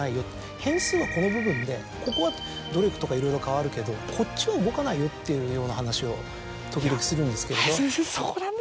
変数はこの部分でここは努力とかいろいろ変わるけどこっちは動かないよっていうような話を時々するんですけど。